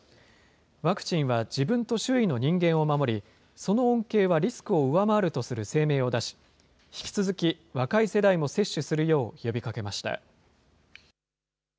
ワクチンは自分と周囲の人間を守り、その恩恵はリスクを上回るとする声明を出し、引き続き若い世代も接種するよう呼びかけました。